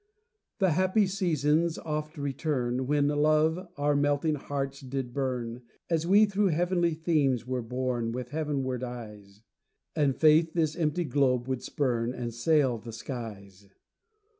The happy seasons oft return, When love our melting hearts did burn, As we through heavenly themes were borne With heavenward eyes, And Faith this empty globe would spurn, And sail the skies.